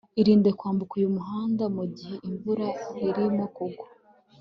irinde kwambuka uyu muhanda mugihe imvura irimo kugwa